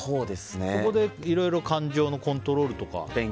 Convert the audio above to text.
そこでいろいろ感情のコントロールとか。